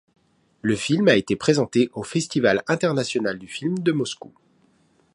Le film a été présenté au Festival international du film de Moscou.